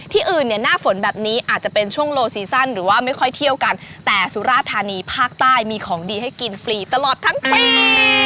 อื่นเนี่ยหน้าฝนแบบนี้อาจจะเป็นช่วงโลซีซั่นหรือว่าไม่ค่อยเที่ยวกันแต่สุราธานีภาคใต้มีของดีให้กินฟรีตลอดทั้งปี